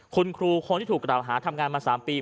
คุณครูคนที่ถูกกล่าวหาทำงานมา๓ปี